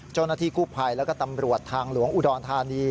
เจ้าหน้าที่กู้ภัยแล้วก็ตำรวจทางหลวงอุดรธานี